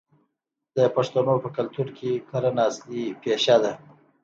د پښتنو په کلتور کې کرنه اصلي پیشه ده.